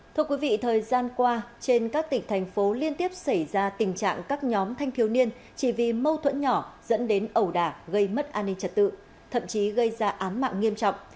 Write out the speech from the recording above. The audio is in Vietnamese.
thưa quý vị thời gian qua trên các tỉnh thành phố liên tiếp xảy ra tình trạng các nhóm thanh thiếu niên chỉ vì mâu thuẫn nhỏ dẫn đến ẩu đả gây mất an ninh trật tự thậm chí gây ra án mạng nghiêm trọng